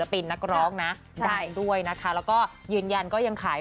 แล้วก็เพลงช้าด้วยติดหูหลายเพลงเลย